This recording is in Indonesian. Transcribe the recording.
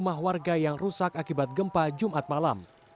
rumah warga yang rusak akibat gempa jumat malam